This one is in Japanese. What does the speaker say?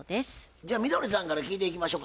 じゃあみどりさんから聞いていきましょか。